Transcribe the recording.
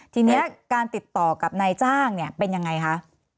ทีนี้การติดต่อกับนายจ้างเนี่ยเป็นยังไงคะ